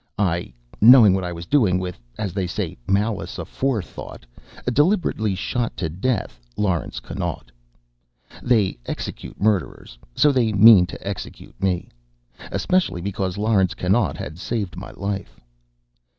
I knowing what I was doing, with, as they say, malice aforethought deliberately shot to death Laurence Connaught. They execute murderers. So they mean to execute me. Especially because Laurence Connaught had saved my life.